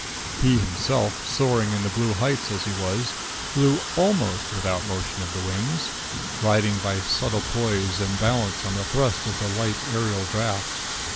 He himself, soaring in the blue heights as he was, flew almost without motion of the wings, riding by subtle poise and balance on the thrust of the light aerial draught.